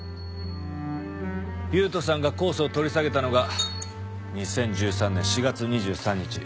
優人さんが控訴を取り下げたのが２０１３年４月２３日。